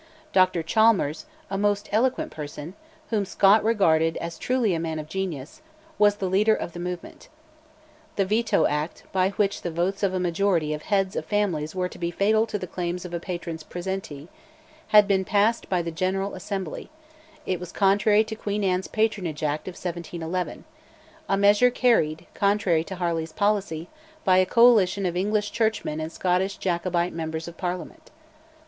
Dr Chalmers, a most eloquent person, whom Scott regarded as truly a man of genius, was the leader of the movement. The Veto Act, by which the votes of a majority of heads of families were to be fatal to the claims of a patron's presentee, had been passed by the General Assembly; it was contrary to Queen Anne's Patronage Act of 1711, a measure carried, contrary to Harley's policy, by a coalition of English Churchmen and Scottish Jacobite members of Parliament.